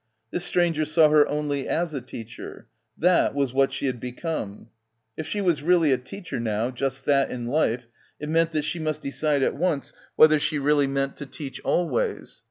This stranger saw her only as a teacher. That was what she had become. If she was really a teacher now, just that in life, it meant that she must decide at once whether she really meant to teach always.